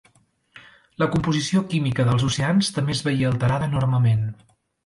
La composició química dels oceans també es veié alterada enormement.